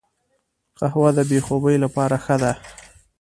قهوه د بې خوبي لپاره ښه ده